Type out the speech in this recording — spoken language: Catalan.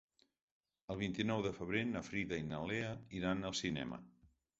El vint-i-nou de febrer na Frida i na Lea iran al cinema.